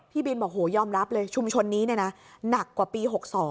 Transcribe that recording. พี่บินบอกโหยอมรับเลยชุมชนนี้หนักกว่าปี๖๒